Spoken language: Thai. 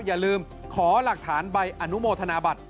อย่าลืมขอหลักฐานใบอนุโมทนาบัตร